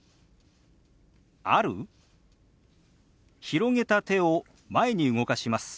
広げた手を前に動かします。